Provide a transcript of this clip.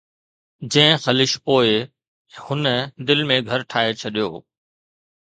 جنهن خلش پوءِ هن دل ۾ گهر ٺاهي ڇڏيو